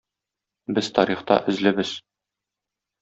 Без тарихта эзлебез